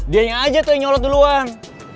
dianya aja tuh yang nyolot duluan